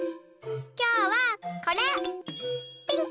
きょうはこれピンク！